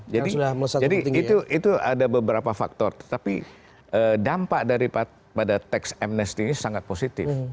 jadi itu ada beberapa faktor tapi dampak dari pada tax amnesty ini sangat positif